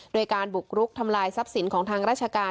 โดยการบุกรุกทำลายทรัพย์สินของทางราชการ